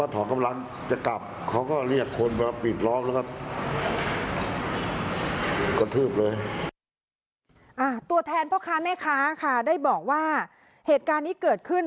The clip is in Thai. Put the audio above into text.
ตัวแทนพ่อค้าแม่ค้าค่ะได้บอกว่าเหตุการณ์นี้เกิดขึ้น